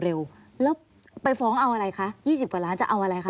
แล้วไปฟ้องเอาอะไรคะ๒๐กว่าล้านจะเอาอะไรคะ